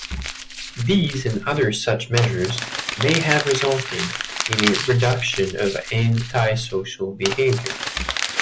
These and other such measures may have resulted in a reduction of antisocial behaviour.